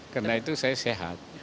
karena itu saya sehat